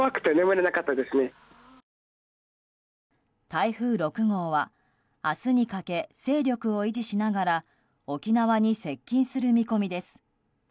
台風６号は、明日にかけ勢力を維持しながら沖縄に接近する見込みです。